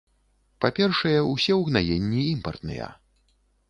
Па-першае, усе ўгнаенні імпартныя.